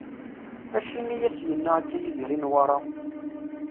Acimi i as-yenna akka Yidir i Newwara?